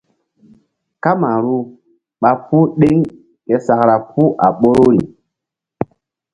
Kamaru ɓa puh ɗeŋ ke sakra puh a ɓoruri.